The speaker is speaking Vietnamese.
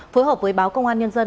phối hợp với báo công an nhân dân